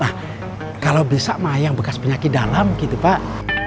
nah kalau bisa mayang bekas penyakit dalam gitu pak